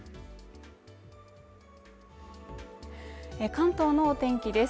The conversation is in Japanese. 関東のお天気です